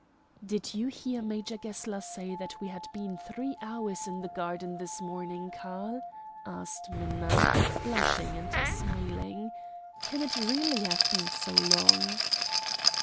"Did you hear Major Gessler say that we had been three hours in the garden this morning, Karl?" asked Minna, blushing and smiling. "Can it really have been so long?"